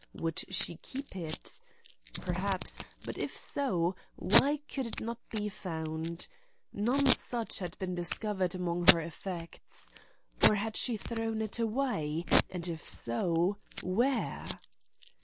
Would she keep it? Perhaps; but if so, why could it not be found? None such had been discovered among her effects. Or had she thrown it away, and if so, where?